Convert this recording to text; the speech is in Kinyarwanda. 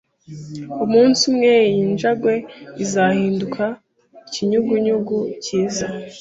Umunsi umwe, iyi njangwe izahinduka ikinyugunyugu cyiza